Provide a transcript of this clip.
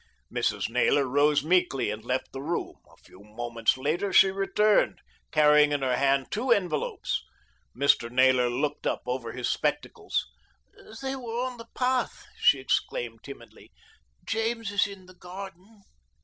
Mrs. Naylor rose meekly and left the room. A few moments later she returned, carrying in her hand two envelopes. Mr. Naylor looked up over his spectacles. "They were on the path," she explained timidly. "James is in the garden."